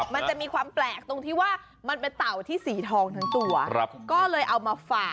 มันจะมีความแปลกตรงที่ว่า